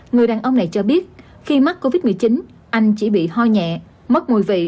người đàn ông này cho biết khi mắc covid một mươi chín anh chỉ bị ho nhẹ mất mùi vị